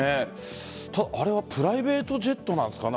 あれはプライベートジェットなんですかね？